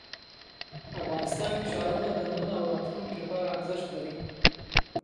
افغانستان کې ښارونه د نن او راتلونکي لپاره ارزښت لري.